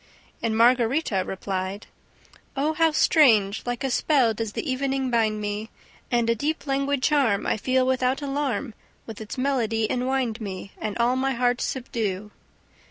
And Margarita replied: "Oh, how strange! Like a spell does the evening bind me! And a deep languid charm I feel without alarm With its melody enwind me And all my heart subdue."